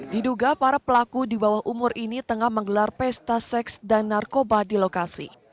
diduga para pelaku di bawah umur ini tengah menggelar pesta seks dan narkoba di lokasi